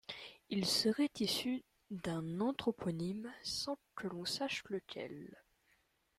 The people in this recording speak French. Il serait issu d'un anthroponyme, sans que l'on sache lequel.